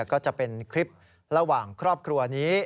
ก็จะเป็นคลิประหว่างครอบครัวนี้